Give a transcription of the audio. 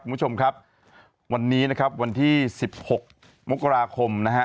คุณผู้ชมครับวันนี้นะครับวันที่สิบหกมกราคมนะฮะ